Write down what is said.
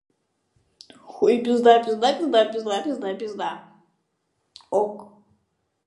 Это группа с разнообразным составом участников, мнения которых не всегда совпадают.